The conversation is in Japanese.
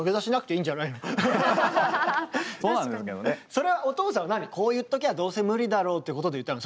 それはお父さんは何こう言っときゃどうせ無理だろうってことで言ったの？